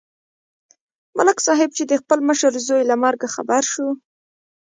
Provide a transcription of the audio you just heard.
ملک صاحب چې د خپل مشر زوی له مرګه خبر شو